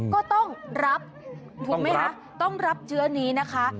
ก็ต้องรับต้องรับเชื้อนี้นะคะ